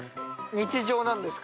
日常なんですか？